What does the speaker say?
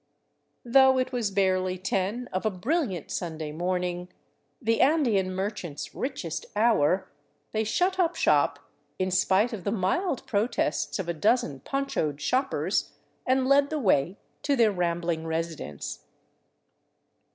..." Though it was barely ten of a brilliant Sunday morning, the Andean merchant's richest hour, they shut up shop, in spite of the mild 357 VAGABONDING DOWN THE ANDES protests of a dozen ponchoed shoppers, and led the way to their ram bling residence.